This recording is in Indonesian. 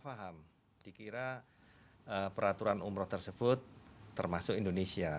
paham dikira peraturan umroh tersebut termasuk indonesia